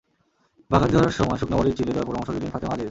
বাগার দেওয়ার সময় শুকনা মরিচ চিরে দেওয়ার পরামর্শ দিলেন ফাতেমা আজিজ।